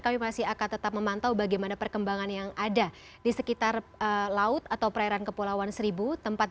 kami masih akan tetap memantau bagaimana perkembangan yang ada di sekitar laut atau perairan kepulauan seribu